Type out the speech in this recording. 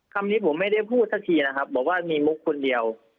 คำนี้ผมไม่ได้พูดสักทีนะครับบอกว่ามีมุกคนเดียว